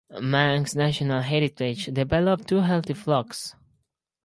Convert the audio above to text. Manx National Heritage developed two healthy flocks.